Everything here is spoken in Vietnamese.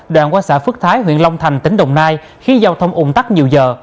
đoạn qua xã phước thái huyện long thành tỉnh đồng nai khiến giao thông ủng tắc nhiều giờ